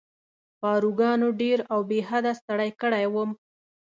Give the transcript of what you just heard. پاروګانو ډېر او بې حده ستړی کړی وم.